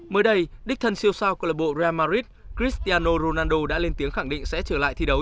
mới đây đích thân siêu sao club real madrid cristiano ronaldo đã lên tiếng khẳng định sẽ trở lại thi đấu